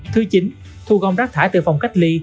thứ chín thu gom rác thải từ phòng cách ly